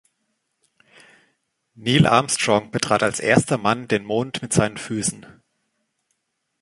Neil Armstrong betrat als erster Mann den Mond mit seinen Füßen.